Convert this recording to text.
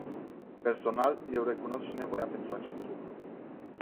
Personal, eu recunosc și nevoia pentru acest lucru.